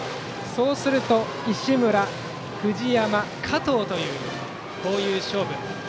そうすると石村、藤山加藤という勝負。